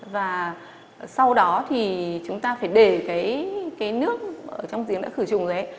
và sau đó thì chúng ta phải để cái nước ở trong giếng đã khử trùng ấy